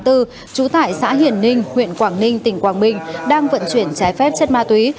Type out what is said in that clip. trú tại xã hiển ninh huyện quảng ninh tỉnh quảng bình đang vận chuyển trái phép chất ma túy